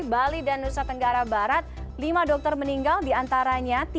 bali dan nusa tenggara barat lima dokter meninggal diantaranya